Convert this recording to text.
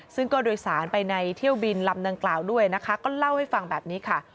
ซึ่งก็โดยสารไปในเที่ยวบินลำดังกล่าวด้วยนะคะก็เล่าให้ฟังแบบนี้ค่ะ